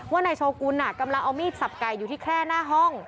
นายโชกุลกำลังเอามีดสับไก่อยู่ที่แคล่หน้าห้อง